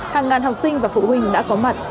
hàng ngàn học sinh và phụ huynh đã có mặt